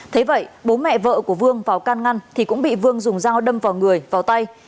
thế vậy bố mẹ vợ của vương vào can ngăn thì cũng bị vương dùng dao đâm vào người vào tay